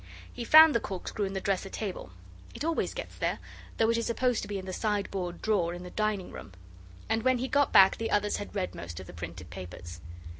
He found the corkscrew in the dresser drawer it always gets there, though it is supposed to be in the sideboard drawer in the dining room and when he got back the others had read most of the printed papers.